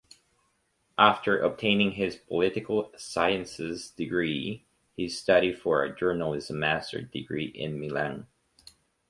After obtaining his Political Sciences degree, he studied for a Journalism Master Degree in Milan.